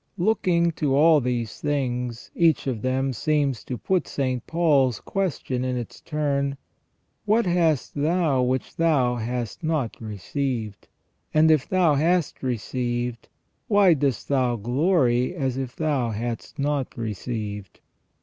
Looking to all these things, each of them seems to put St. Paul's question in its turn : "What hast thou which thou hast not re ceived ? And if thou hast received, why dost thou glory as if thou hadst not received